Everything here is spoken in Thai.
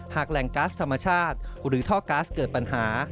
หากแรงกัสธรรมชาติหรือท่อกัสเกิดปัญหา